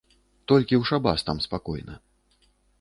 Толькі ў шабас там спакойна.